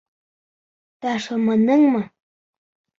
Ташламаныңмы?